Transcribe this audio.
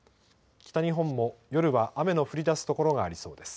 北日本も夜は雨の降りだす所がありそうです。